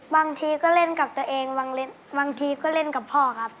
บางทีก็เล่นกับตัวเองบางทีก็เล่นกับพ่อครับ